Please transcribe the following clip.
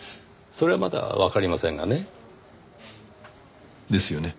それはまだわかりませんがね。ですよね。